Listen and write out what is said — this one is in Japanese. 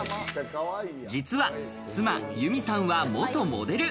実は妻・ゆみさんは元モデル。